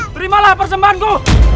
terimalah persembahan ku